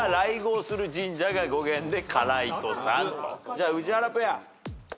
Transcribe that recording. じゃあ宇治原ペア。